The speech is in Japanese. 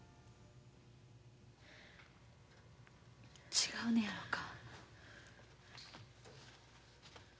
違うのやろか。